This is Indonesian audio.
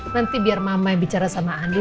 nanti biar mama yang bicara sama andi